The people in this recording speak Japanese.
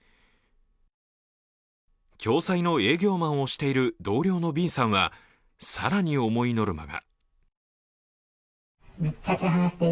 共済の営業マンをしている同僚のＢさんは更に重いノルマが。